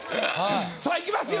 さあいきますよ